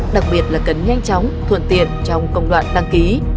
đặc biệt là cần nhanh chóng thuận tiện trong công đoạn đăng ký